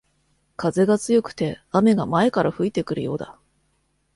風が強くて雨が前から吹いてくるようだ